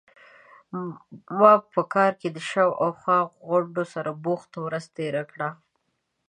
ما په کار کې د شا او خوا غونډو سره بوخته ورځ تیره کړه.